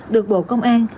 được bộ công an